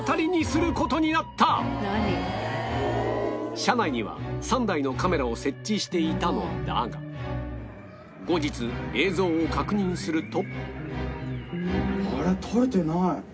車内には３台のカメラを設置していたのだが後日映像を確認すると